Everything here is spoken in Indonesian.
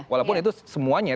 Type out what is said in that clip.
walaupun itu semuanya